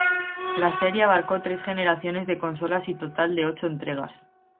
La serie abarcó tres generaciones de consolas y total de ocho entregas.